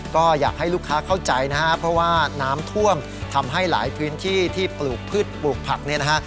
ก็อยากให้ลูกค้าเข้าใจนะฮะเพราะว่าน้ำท่วมทำให้หลายพื้นที่ที่ปลูกพืชปลูกผักเนี่ยนะฮะ